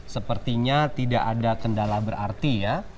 sepertinya tidak ada kendala berarti ya